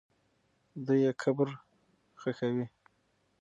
دوی یې قبر ښخوي.